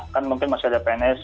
kan mungkin masih ada pns